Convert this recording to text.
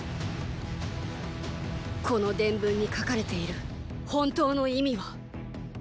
この伝文に書かれている本当の意味はーー。